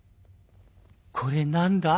「これ何だ？」。